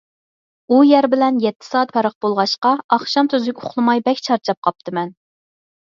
ئۇ يەر بىلەن يەتتە سائەت پەرق بولغاچقا، ئاخشام تۈزۈك ئۇخلىماي بەك چارچاپ قاپتىمەن.